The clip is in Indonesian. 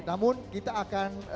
namun kita akan